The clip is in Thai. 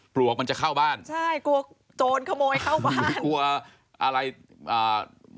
ปลวกมันจะเข้าบ้านใช่กลัวโจรขโมยเข้าบ้านกลัวอะไรอ่า